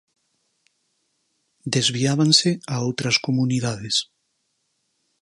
Desviábanse a outras Comunidades.